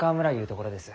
ところです。